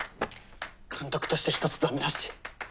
監督として１つダメ出し。